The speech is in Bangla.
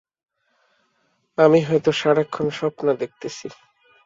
আমি হয়তো সারাক্ষণ স্বপ্ন দেখিতেছি।